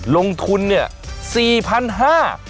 ลงทุนเนี่ย๔๕๐๐บาท